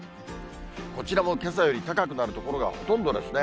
こちらもけさより高くなる所がほとんどですね。